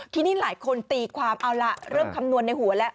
ทีนี้หลายคนตีความเอาล่ะเริ่มคำนวณในหัวแล้ว